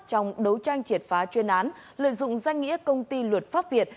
trong đấu tranh triệt phá chuyên án lợi dụng danh nghĩa công ty luật pháp việt